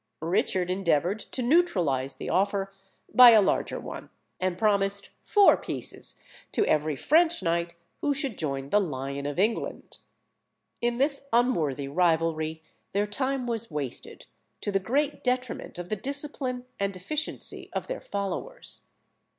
Richard endeavoured to neutralise the offer by a larger one, and promised four pieces to every French knight who should join the Lion of England. In this unworthy rivalry their time was wasted, to the great detriment of the discipline and efficiency of their followers.